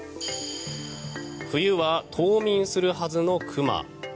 冬は冬眠するはずの熊。